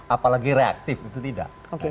apalagi reaktif itu tidak